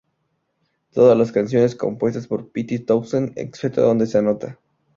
Todas las canciones compuestas por Pete Townshend excepto donde se anota.